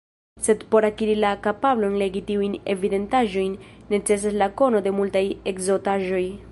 Sed por akiri la kapablon legi tiujn evidentaĵojn necesas la kono de multaj ekzotaĵoj.